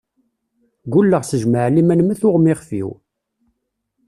Gulleɣ s jmaɛliman ma tuɣ-m ixef-iw.